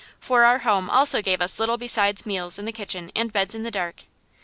For our home also gave us little besides meals in the kitchen and beds in the dark.